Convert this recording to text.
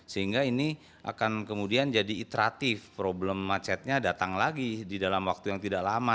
sehingga ini akan kemudian jadi iteratif problem macetnya datang lagi di dalam waktu yang tidak lama